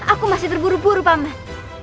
aku masih terburu buru pamer